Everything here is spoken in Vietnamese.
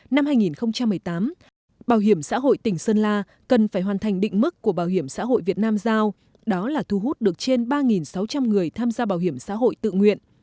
năm hai nghìn một mươi tám bảo hiểm xã hội tỉnh sơn la cần phải hoàn thành định mức của bảo hiểm xã hội việt nam giao đó là thu hút được trên ba sáu trăm linh người tham gia bảo hiểm xã hội tự nguyện